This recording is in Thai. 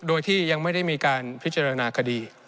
โดยที่ยังไม่ได้มีการพิจารณาคดี